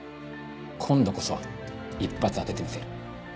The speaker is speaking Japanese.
今度こそ一発当ててみせる。